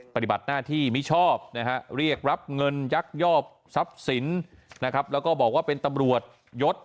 ปฏิบัติหน้าที่มิชอบนะฮะเรียกรับเงินยักยอบทรัพย์สินนะครับแล้วก็บอกว่าเป็นตำรวจยศ